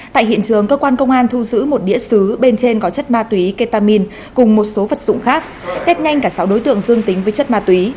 tại hiện trường cơ quan công an thu giữ một đĩa xứ bên trên có chất ma túy ketamin cùng một số vật dụng khác test nhanh cả sáu đối tượng dương tính với chất ma túy